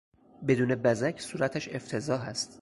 بدون بزک صورتش افتضاح است.